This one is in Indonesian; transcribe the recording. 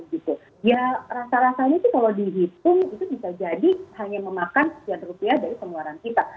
ya rasa rasanya kalau dihitung itu bisa jadi hanya memakan sekian rupiah dari pengeluaran kita